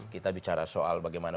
kita bicara soal bagaimana